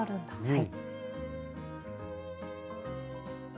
はい。